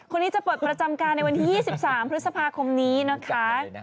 คนนี้จะปลดประจำการในวันที่๒๓พฤษภาคมนี้นะคะ